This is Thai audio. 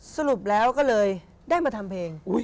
สรุปแล้วก็เลยได้มาทำเพลง